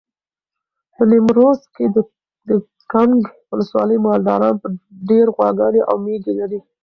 په نیمروز کې د کنگ ولسوالۍ مالداران ډېر غواګانې او مېږې لري.